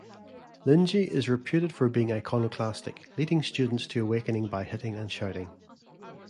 Linji is reputed for being iconoclastic, leading students to awakening by hitting and shouting.